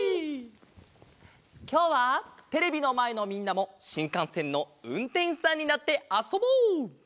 きょうはテレビのまえのみんなもしんかんせんのうんてんしさんになってあそぼう！